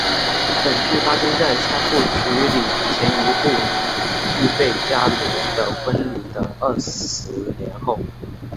本剧发生在三部曲里前一部剧费加罗的婚礼的二十年后。